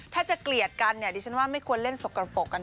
ถ้าจะเกลียดกันเนี่ยดิฉันว่าไม่ควรเล่นสกกระปกกัน